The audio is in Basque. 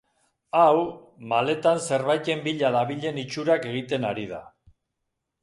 Hau, maletan zerbaiten bila dabilen itxurak egiten ari da.